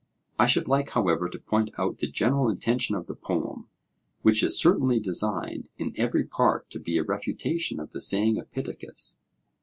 I should like, however, to point out the general intention of the poem, which is certainly designed in every part to be a refutation of the saying of Pittacus.